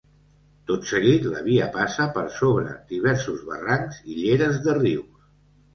Tot seguit, la via passa per sobre diversos barrancs i lleres de rius.